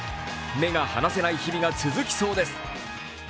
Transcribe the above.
目が離せない日々が続きそうです。